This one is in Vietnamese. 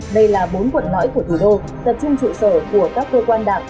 đây là bốn quận lõi của thủ đô tập trung trụ sở của các cơ quan đảng